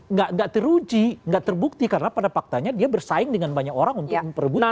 nggak teruji nggak terbukti karena pada faktanya dia bersaing dengan banyak orang untuk memperbutkan